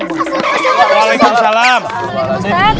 ustaz ya allah